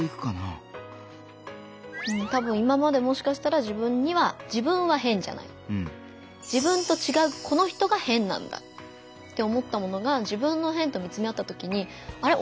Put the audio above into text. たぶん今までもしかしたら自分には「自分は変じゃない」。って思ったものが自分の「変」と見つめ合ったときに「あれ？